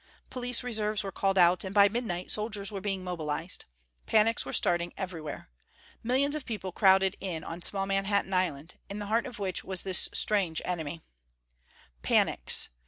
Police reserves were called out, and by midnight soldiers were being mobilized. Panics were starting everywhere. Millions of people crowded in on small Manhattan Island, in the heart of which was this strange enemy. Panics....